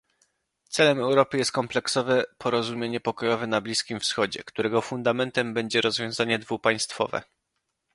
Celem Europy jest kompleksowe porozumienie pokojowe na Bliskim Wschodzie, którego fundamentem będzie rozwiązanie dwupaństwowe